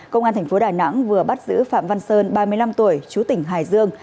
công an tp đà nẵng vừa bắt giữ phạm văn sơn ba mươi năm tuổi chú tỉnh hải dương